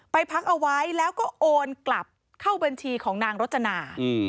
พักเอาไว้แล้วก็โอนกลับเข้าบัญชีของนางรจนา